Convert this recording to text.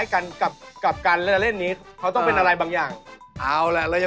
คุณโจ๊กครับคุณมี๒ในได้เลย